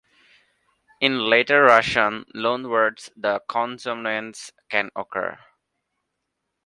In later Russian loanwords, the consonants can occur.